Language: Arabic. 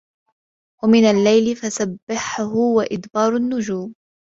وَمِنَ اللَّيلِ فَسَبِّحهُ وَإِدبارَ النُّجومِ